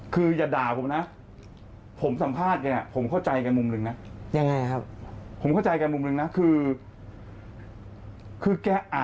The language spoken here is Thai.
คืออย่าด่าผมนะผมสัมภาษณ์แกผมเข้าใจแกมุมหนึ่งนะคือแกอ่ะ